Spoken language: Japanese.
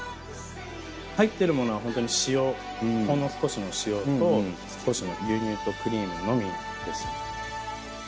入ってるものは塩ほんの少しの塩と少しの牛乳とクリームのみです。